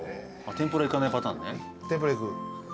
天ぷらいく。